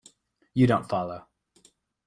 You don't follow.